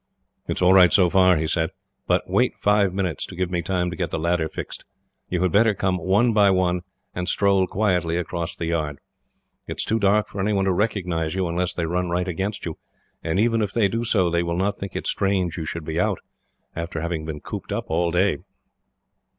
"It is all right so far," he said, "but wait five minutes, to give me time to get the ladder fixed. You had better come one by one, and stroll quietly across the yard. It is too dark for anyone to recognise you, unless they run right against you; and even if they do so, they will not think it strange you should be out, after having been cooped up all the day."